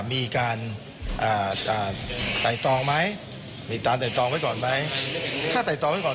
มีการอ่าอ่าตายต่อไหมตายต่อไว้ก่อนไหมถ้าตายต่อไว้ก่อน